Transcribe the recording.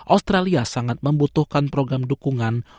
australia sangat membutuhkan program dukungan